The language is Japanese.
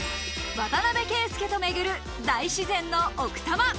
渡邊圭祐と巡る大自然の奥多摩。